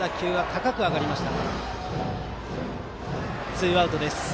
ツーアウトです。